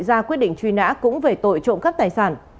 ra quyết định truy nã cũng về tội trộm cắp tài sản